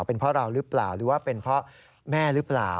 เป็นเพราะเราหรือเปล่าหรือว่าเป็นเพราะแม่หรือเปล่า